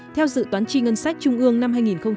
theo dự toán tri ngân sách trung ương năm hai nghìn một mươi sáu